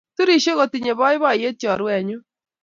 Turishe kotinye boiboyee chorwenyu.